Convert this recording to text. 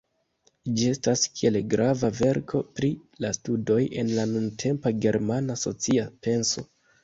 Ĝi statas kiel grava verko pri la studoj en la nuntempa germana socia penso.